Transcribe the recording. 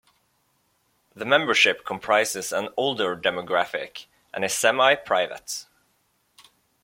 The membership comprises an older demographic and is semi-private.